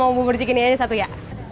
mau bubur cikini aja satu ya